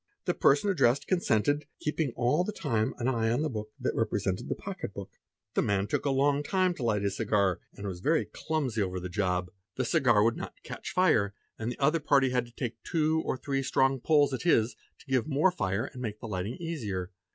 The person addressed, consented, keeping the time an eye on the book that represented the pocket book. The n took a long time to light his cigar and was very clumsy over the job.. 43 Me at ae LD ad a eee ee gd 6 a. s >@ 2 338 PRACTICES OF CRIMINALS The cigar would not catch fire, and the other party had to take two or three strong pulls at his, to give more fire and make the lighting easier.